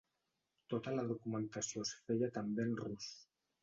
Tota la documentació es feia també en rus.